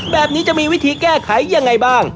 แบบนี้จะมีวิธีแก้ไขยังไงบ้าง